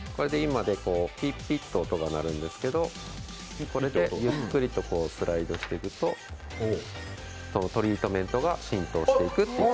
ピッ、ピッと音が鳴るんですけどこれで、ゆっくりとスライドしていくと、トリートメントが浸透していくっていう。